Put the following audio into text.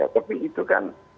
tapi itu kan